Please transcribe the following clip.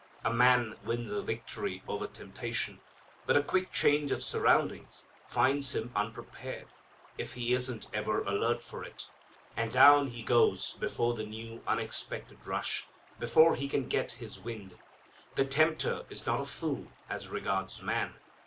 A man wins a victory over temptation, but a quick change of surroundings finds him unprepared if he isn't ever alert for it, and down he goes before the new, unexpected rush, before he can get his wind. The tempter is not a fool, as regards man.